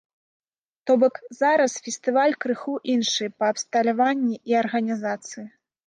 То бок, зараз фестываль крыху іншы па абсталяванні і арганізацыі.